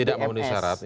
tidak memenuhi syarat